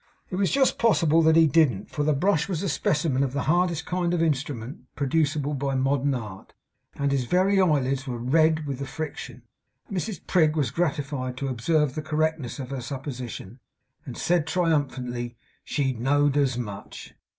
It was just possible that he didn't for the brush was a specimen of the hardest kind of instrument producible by modern art; and his very eyelids were red with the friction. Mrs Prig was gratified to observe the correctness of her supposition, and said triumphantly 'she know'd as much.